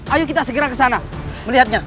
ayo kita segera ke sana melihatnya